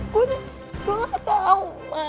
gua ga tau man